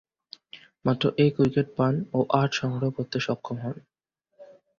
মাত্র এক উইকেট পান ও আট সংগ্রহ করতে সক্ষম হন।